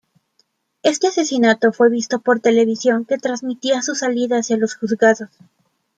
Este asesinato fue visto por televisión que transmitía su salida hacia los juzgados.